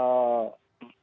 kalau tidak ya ya tergantung